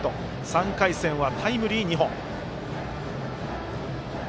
３回戦はタイムリー２本。